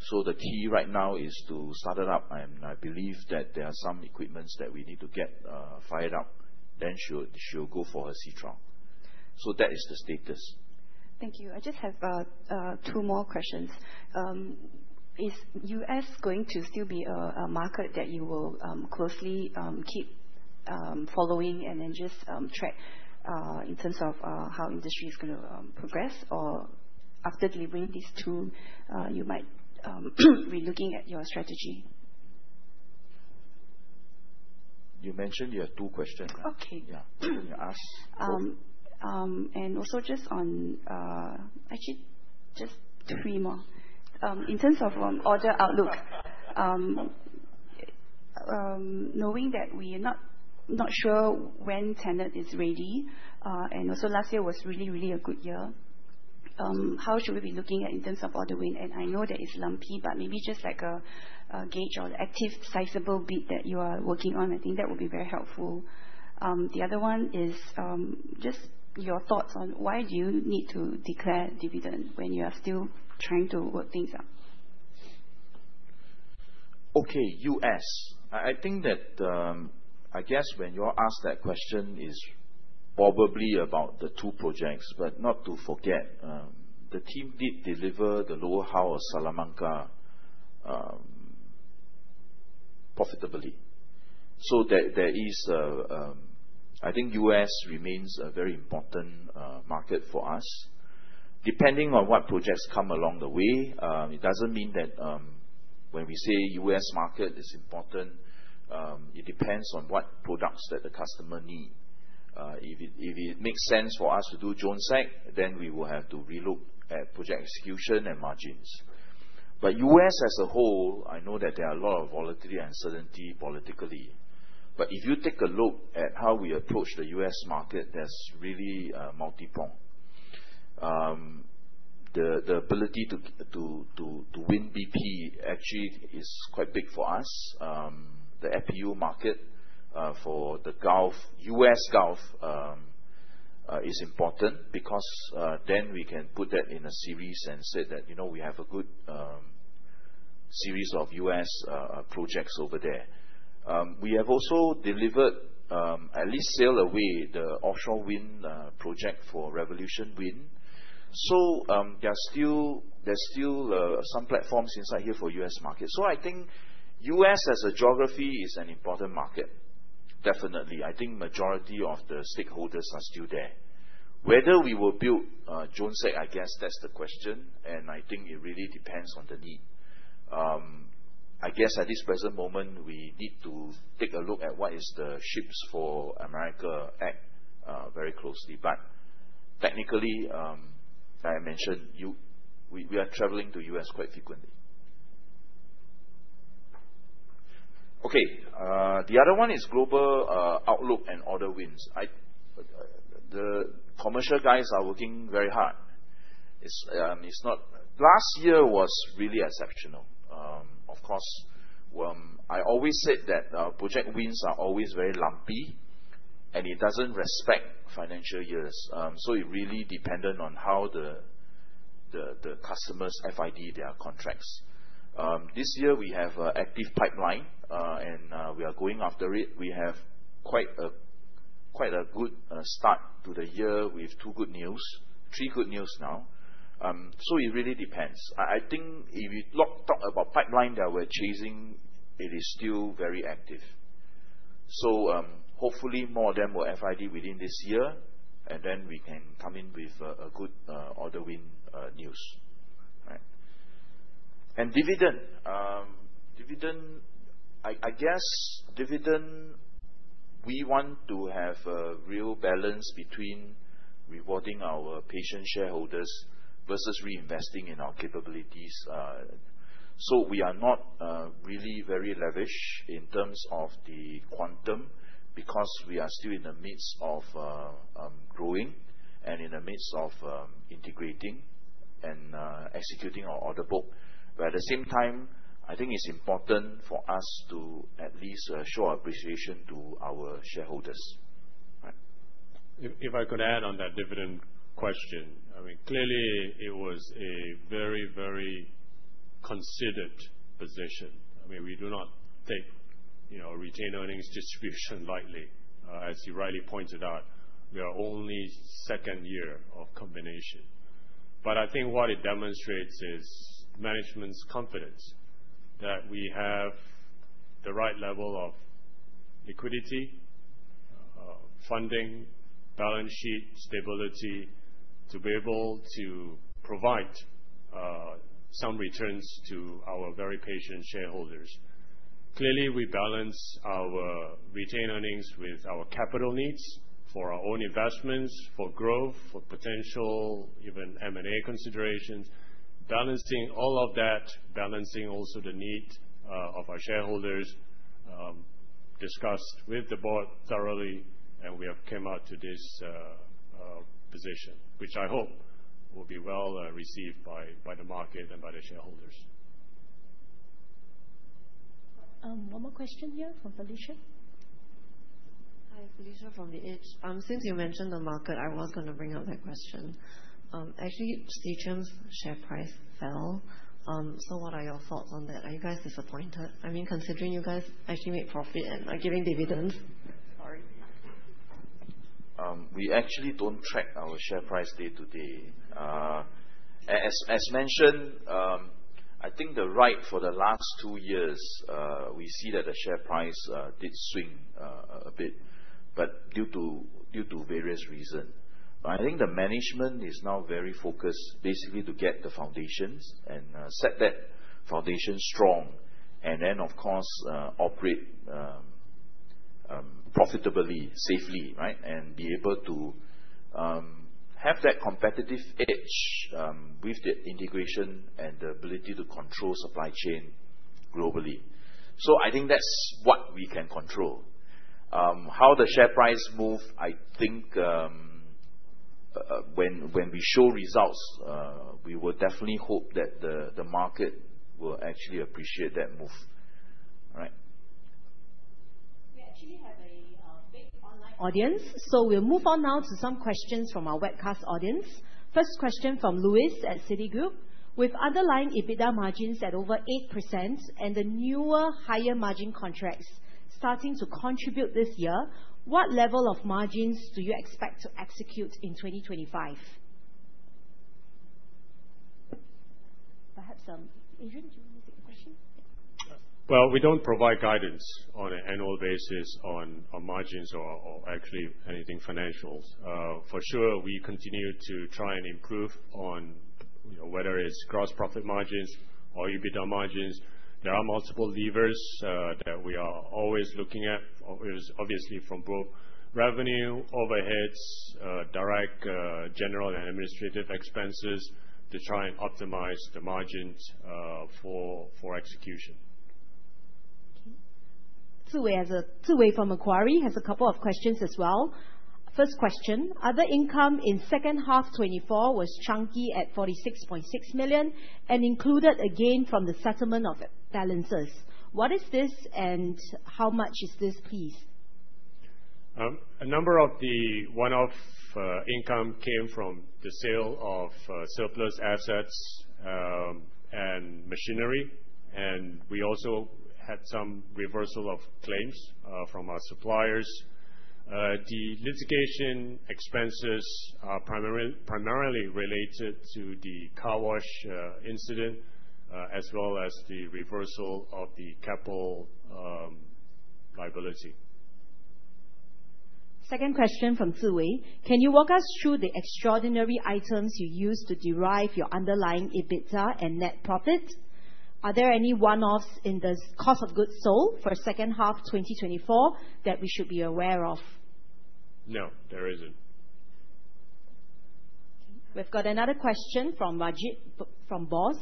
So the key right now is to start it up. And I believe that there are some equipment that we need to get fired up, then she'll go for her sea trial. So that is the status. Thank you. I just have two more questions. Is the U.S. going to still be a market that you will closely keep following and then just track in terms of how industry is going to progress? Or after delivering these two, you might be looking at your strategy? You mentioned you have two questions. Yeah. You asked. And also just on actually, just three more. In terms of order outlook, knowing that we are not sure when TenneT is ready, and also last year was really, really a good year, how should we be looking at in terms of order wins? And I know that it's lumpy, but maybe just like a gauge or active sizable bid that you are working on, I think that would be very helpful. The other one is just your thoughts on why do you need to declare dividend when you are still trying to work things out? Okay. U.S. I think that, I guess when you're asked that question, it's probably about the two projects. But not to forget, the team did deliver the Lower Hull of Salamanca profitably. So there is, I think U.S. remains a very important market for us. Depending on what projects come along the way, it doesn't mean that when we say U.S. market is important, it depends on what products that the customer need. If it makes sense for us to do Jones Act, then we will have to relook at project execution and margins. But U.S. as a whole, I know that there are a lot of volatility and uncertainty politically. But if you take a look at how we approach the U.S. market, there's really multi-pronged. The ability to win BP actually is quite big for us. The FPU market for the US Gulf is important because then we can put that in a series and say that we have a good series of US projects over there. We have also delivered, at least sailed away, the offshore wind project for Revolution Wind. So there's still some platforms inside here for US market. So I think US as a geography is an important market. Definitely. I think majority of the stakeholders are still there. Whether we will build Jones Act, I guess that's the question. And I think it really depends on the need. I guess at this present moment, we need to take a look at what is the SHIPS for America Act very closely. But technically, like I mentioned, we are traveling to US quite frequently. Okay. The other one is global outlook and order wins. The commercial guys are working very hard. Last year was really exceptional. Of course, I always said that project wins are always very lumpy, and it doesn't respect financial years. So it really depended on how the customer's FID, their contracts. This year, we have an active pipeline, and we are going after it. We have quite a good start to the year with two good news, three good news now. So it really depends. I think if you talk about pipeline that we're chasing, it is still very active. So hopefully, more of them will FID within this year, and then we can come in with a good order win news, and dividend, I guess dividend, we want to have a real balance between rewarding our patient shareholders versus reinvesting in our capabilities. So we are not really very lavish in terms of the quantum because we are still in the midst of growing and in the midst of integrating and executing our order book. But at the same time, I think it's important for us to at least show appreciation to our shareholders. If I could add on that dividend question, I mean, clearly, it was a very, very considered position. I mean, we do not take retained earnings distribution lightly. As you rightly pointed out, we are only second year of combination. But I think what it demonstrates is management's confidence that we have the right level of liquidity, funding, balance sheet, stability to be able to provide some returns to our very patient shareholders. Clearly, we balance our retained earnings with our capital needs for our own investments, for growth, for potential, even M&A considerations. Balancing all of that, balancing also the need of our shareholders, discussed with the board thoroughly, and we have come out to this position, which I hope will be well received by the market and by the shareholders. One more question here from Felicia. Hi, Felicia from The Edge. Since you mentioned the market, I was going to bring up that question. Actually, Seatrium's share price fell. So what are your thoughts on that? Are you guys disappointed? I mean, considering you guys actually made profit and are giving dividends. Sorry. We actually don't track our share price day to day. As mentioned, I think the right for the last two years, we see that the share price did swing a bit, but due to various reasons. I think the management is now very focused, basically, to get the foundations and set that foundation strong, and then, of course, operate profitably, safely, right, and be able to have that competitive edge with the integration and the ability to control supply chain globally. So I think that's what we can control. How the share price move, I think when we show results, we will definitely hope that the market will actually appreciate that move. All right. We actually have a big online audience. So we'll move on now to some questions from our webcast audience. First question from Luis at Citigroup. With underlying EBITDA margins at over 8% and the newer higher margin contracts starting to contribute this year, what level of margins do you expect to execute in 2025? Perhaps Adrian, do you want to take the question? We don't provide guidance on an annual basis on margins or actually anything financial. For sure, we continue to try and improve on whether it's gross profit margins or EBITDA margins. There are multiple levers that we are always looking at, obviously, from both revenue, overheads, direct, general, and administrative expenses to try and optimize the margins for execution. Foo Zhi Wei from Macquarie has a couple of questions as well. First question. Other income in second half 2024 was chunky at 46.6 million and included a gain from the settlement of balances. What is this and how much is this, please? A number of the one-off income came from the sale of surplus assets and machinery. We also had some reversal of claims from our suppliers. The litigation expenses are primarily related to the Car Wash incident as well as the reversal of the Keppel liability. Second question from Zhi Wei. Can you walk us through the extraordinary items you use to derive your underlying EBITDA and net profit? Are there any one-offs in the cost of goods sold for second half 2024 that we should be aware of? No, there isn't. We've got another question from Wajid from BOS.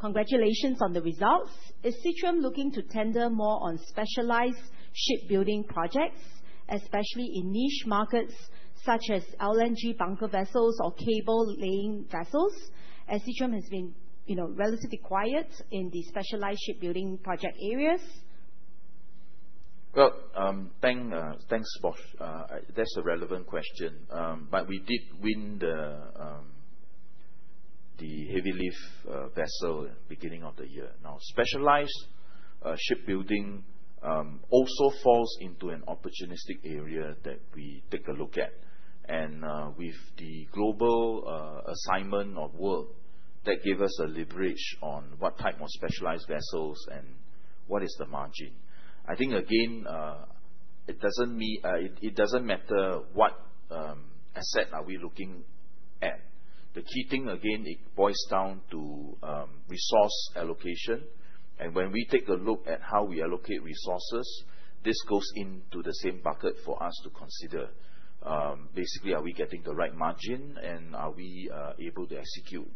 Congratulations on the results. Is Seatrium looking to tender more on specialized shipbuilding projects, especially in niche markets such as LNG bunker vessels or cable-laying vessels, as Seatrium has been relatively quiet in the specialized shipbuilding project areas? Well, thanks, Wajid. That's a relevant question. But we did win the heavy lift vessel at the beginning of the year. Now, specialized shipbuilding also falls into an opportunistic area that we take a look at. And with the global assignment of work, that gave us a leverage on what type of specialized vessels and what is the margin. I think, again, it doesn't matter what asset are we looking at. The key thing, again, it boils down to resource allocation. And when we take a look at how we allocate resources, this goes into the same bucket for us to consider. Basically, are we getting the right margin and are we able to execute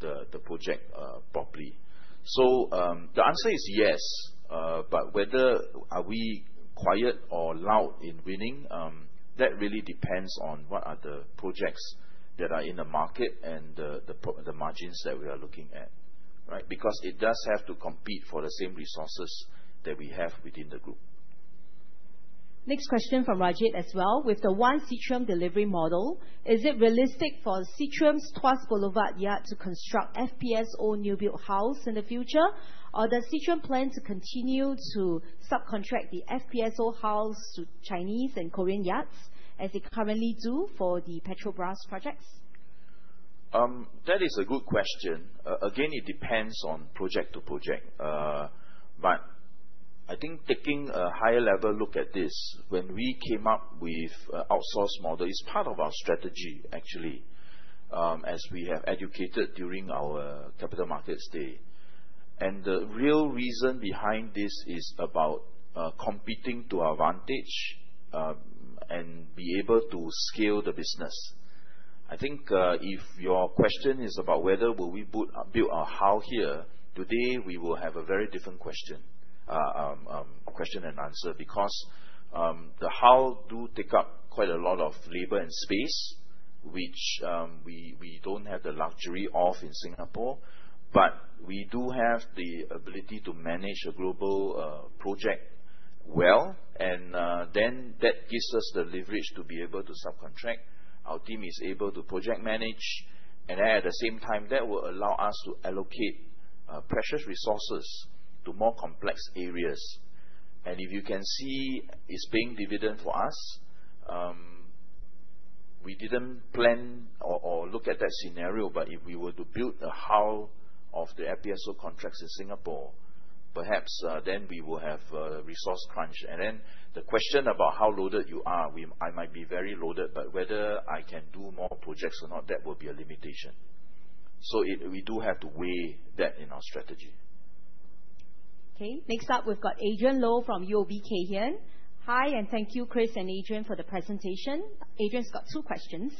the project properly? So the answer is yes. But whether we are quiet or loud in winning, that really depends on what are the projects that are in the market and the margins that we are looking at, right? Because it does have to compete for the same resources that we have within the group. Next question from Wajid as well. With the One Seatrium delivery model, is it realistic for Seatrium's Tuas Boulevard Yard to construct FPSO newbuild hull in the future? Or does Seatrium plan to continue to subcontract the FPSO hull to Chinese and Korean yards as they currently do for the Petrobras projects? That is a good question. Again, it depends on project to project. But I think taking a higher level look at this, when we came up with an outsource model, it's part of our strategy, actually, as we have elucidated during our capital markets day. And the real reason behind this is about competing to our advantage and be able to scale the business. I think if your question is about whether will we build a hull here, today we will have a very different question and answer because the hull do take up quite a lot of labor and space, which we don't have the luxury of in Singapore. We do have the ability to manage a global project well. That gives us the leverage to be able to subcontract. Our team is able to project manage. At the same time, that will allow us to allocate precious resources to more complex areas. If you can see, it's paying dividend for us. We didn't plan or look at that scenario, but if we were to build a hull of the FPSO contracts in Singapore, perhaps then we will have a resource crunch. And then the question about how loaded you are, I might be very loaded, but whether I can do more projects or not, that will be a limitation. So we do have to weigh that in our strategy. Okay. Next up, we've got Adrian Loh from UOB Kay Hian. Hi, and thank you, Chris and Adrian, for the presentation. Adrian's got two questions.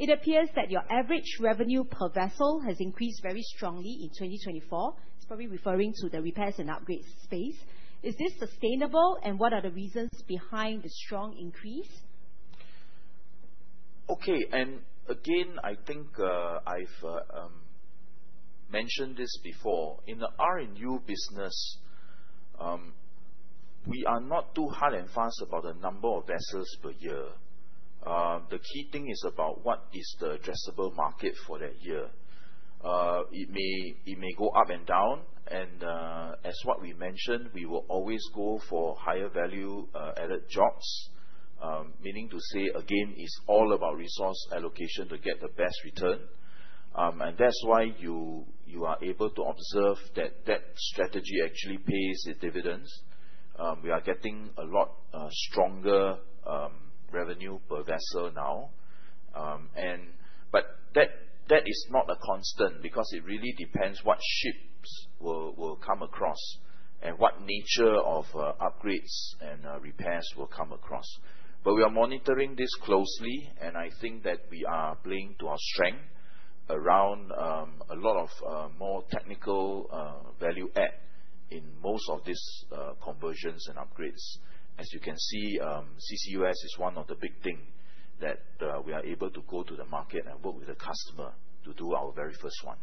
It appears that your average revenue per vessel has increased very strongly in 2024. He's probably referring to the repairs and upgrades space. Is this sustainable, and what are the reasons behind the strong increase? Okay. And again, I think I've mentioned this before. In the R&U business, we are not too hard and fast about the number of vessels per year. The key thing is about what is the addressable market for that year. It may go up and down. As we mentioned, we will always go for higher value added jobs, meaning to say, again, it's all about resource allocation to get the best return. That's why you are able to observe that that strategy actually pays its dividends. We are getting a lot stronger revenue per vessel now. But that is not a constant because it really depends what ships will come across and what nature of upgrades and repairs will come across. We are monitoring this closely, and I think that we are playing to our strength around a lot of more technical value add in most of these conversions and upgrades. As you can see, CCUS is one of the big things that we are able to go to the market and work with the customer to do our very first one.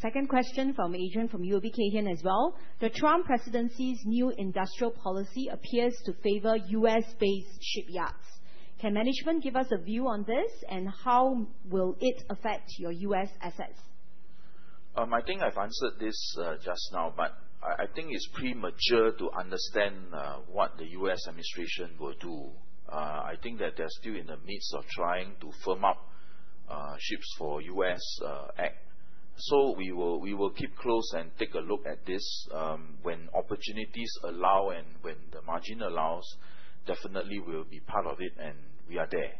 Second question from Adrian from UOB Kay Hian as well. The Trump presidency's new industrial policy appears to favor US-based shipyards. Can management give us a view on this, and how will it affect your US assets? I think I've answered this just now, but I think it's premature to understand what the US administration will do. I think that they're still in the midst of trying to firm up ships for Jones Act. So we will keep close and take a look at this when opportunities allow and when the margin allows. Definitely, we'll be part of it, and we are there.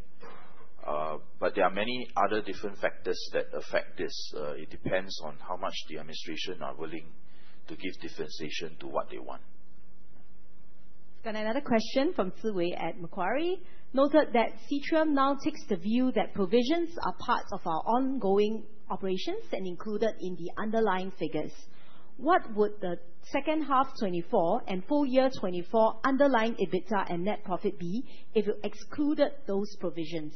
But there are many other different factors that affect this. It depends on how much the administration are willing to give differentiation to what they want. Then another question from Zhi Wei at Macquarie noted that Seatrium now takes the view that provisions are part of our ongoing operations and included in the underlying figures. What would the second half 2024 and full year 2024 underlying EBITDA and net profit be if you excluded those provisions?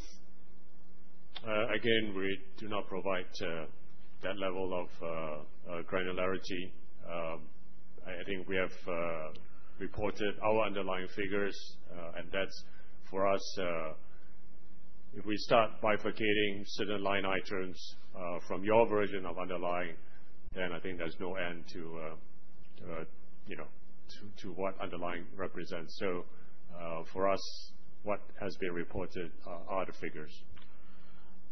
Again, we do not provide that level of granularity. I think we have reported our underlying figures, and that's for us. If we start bifurcating certain line items from your version of underlying, then I think there's no end to what underlying represents. So for us, what has been reported are the figures.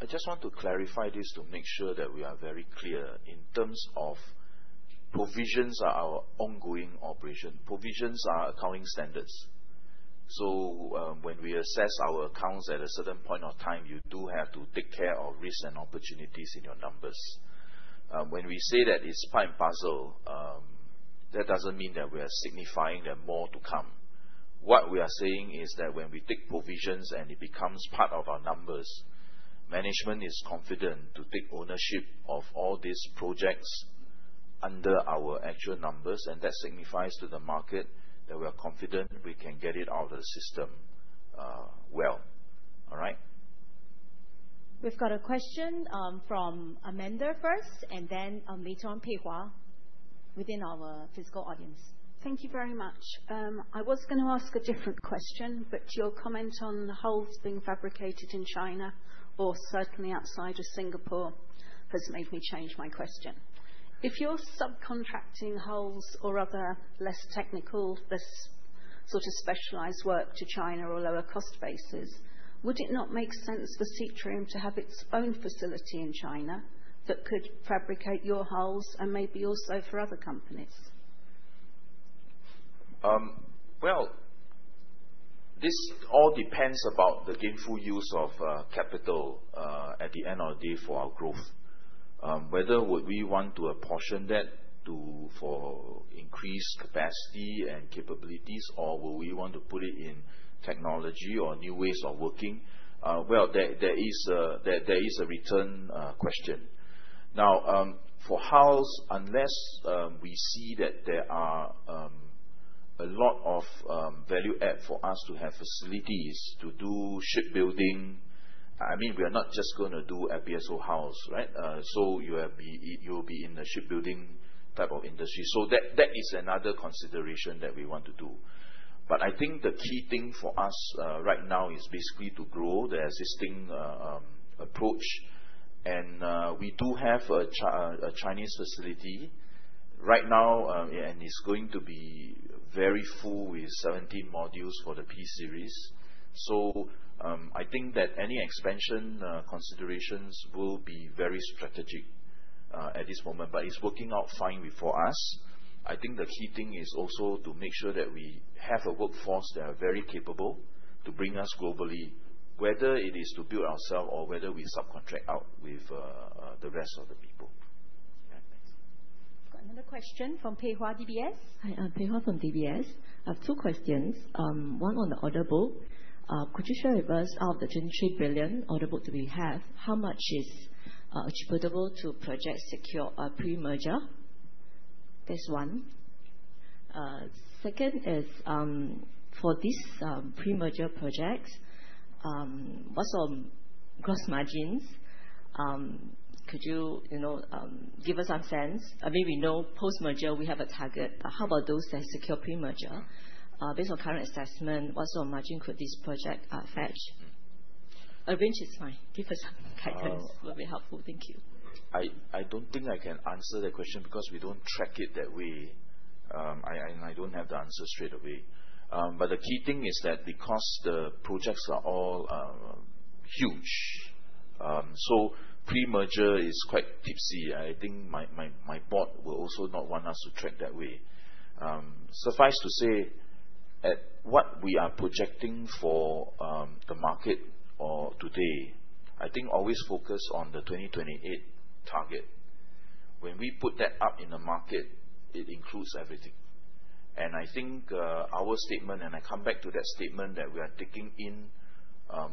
I just want to clarify this to make sure that we are very clear. In terms of provisions are our ongoing operation. Provisions are accounting standards. So when we assess our accounts at a certain point of time, you do have to take care of risks and opportunities in your numbers. When we say that it's a one-off, that doesn't mean that we are signifying that more to come. What we are saying is that when we take provisions and it becomes part of our numbers, management is confident to take ownership of all these projects under our actual numbers. And that signifies to the market that we are confident we can get it out of the system well. All right? We've got a question from Amanda first, and then later on, Pei Hwa in our physical audience. Thank you very much. I was going to ask a different question, but your comment on the hulls being fabricated in China or certainly outside of Singapore has made me change my question. If you're subcontracting hulls or other less technical, this sort of specialized work to China or lower cost bases, would it not make sense for Seatrium to have its own facility in China that could fabricate your hulls and maybe also for other companies? This all depends on the gainful use of capital at the end of the day for our growth. Whether we want to apportion that for increased capacity and capabilities, or will we want to put it in technology or new ways of working, well, that is a recurring question. Now, for hulls, unless we see that there are a lot of value add for us to have facilities to do shipbuilding, I mean, we are not just going to do FPSO hulls, right? So you will be in the shipbuilding type of industry, so that is another consideration that we want to do. But I think the key thing for us right now is basically to grow the existing approach, and we do have a Chinese facility right now, and it's going to be very full with 17 modules for the P-series. So I think that any expansion considerations will be very strategic at this moment, but it's working out fine for us. I think the key thing is also to make sure that we have a workforce that are very capable to bring us globally, whether it is to build ourselves or whether we subcontract out with the rest of the people. Yeah, thanks. We've got another question from Pei Hwa DBS. Hi, I'm Pei Hwa from DBS. I have two questions. One on the order book. Could you share with us out of the 23 billion order book that we have, how much is attributable to projects secured pre-merger? That's one. Second is for these pre-merger projects, what's your gross margins? Could you give us some sense? I mean, we know post-merger we have a target. How about those that secured pre-merger? Based on current assessment, what sort of margin could this project fetch? A range is fine. Give us some patterns. It will be helpful. Thank you. I don't think I can answer that question because we don't track it that way, and I don't have the answer straight away, but the key thing is that because the projects are all huge, so pre-merger is quite risky. I think my board will also not want us to track that way. Suffice to say, at what we are projecting for the market today, I think always focus on the 2028 target. When we put that up in the market, it includes everything, and I think our statement, and I come back to that statement, that we are taking in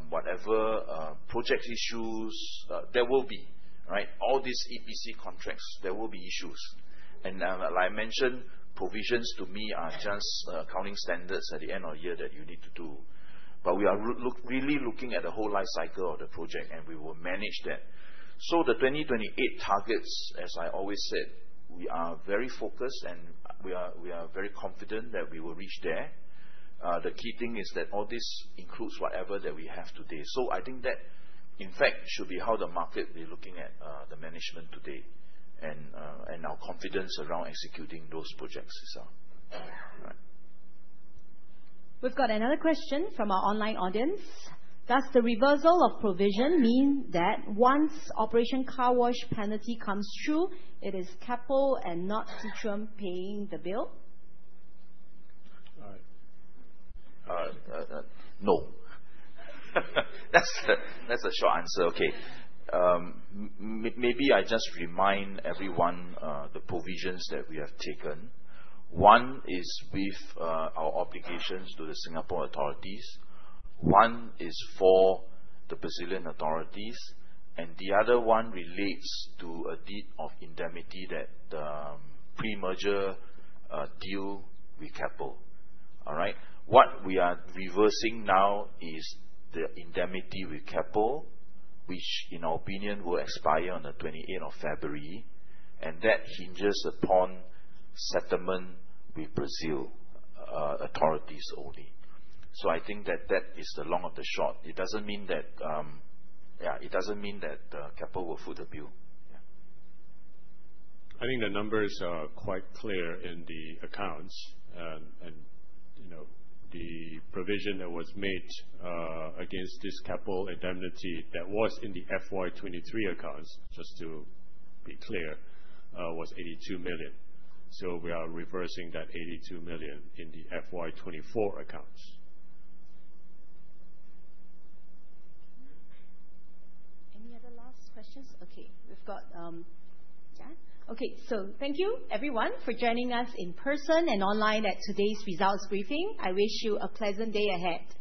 whatever project issues, there will be, right? All these EPC contracts, there will be issues. And like I mentioned, provisions to me are just accounting standards at the end of the year that you need to do. But we are really looking at the whole life cycle of the project, and we will manage that. So the 2028 targets, as I always said, we are very focused, and we are very confident that we will reach there. The key thing is that all this includes whatever that we have today. So I think that, in fact, should be how the market will be looking at the management today and our confidence around executing those projects as well. All right. We've got another question from our online audience. Does the reversal of provision mean that once Operation Car Wash penalty comes true, it is Keppel and not Seatrium paying the bill? All right. No. That's a short answer. Okay. Maybe I just remind everyone the provisions that we have taken. One is with our obligations to the Singapore authorities. One is for the Brazilian authorities. And the other one relates to a deed of indemnity that the pre-merger deal with Keppel. All right? What we are reversing now is the indemnity with Keppel, which, in our opinion, will expire on the 28th of February. And that hinges upon settlement with Brazilian authorities only. So I think that that is the long and the short. It doesn't mean that, yeah, it doesn't mean that Keppel will foot the bill. Yeah. I think the numbers are quite clear in the accounts. And the provision that was made against this Keppel indemnity that was in the FY23 accounts, just to be clear, was 82 million. So we are reversing that 82 million in the FY24 accounts. Any other last questions? Okay. Thank you, everyone, for joining us in person and online at today's results briefing. I wish you a pleasant day ahead.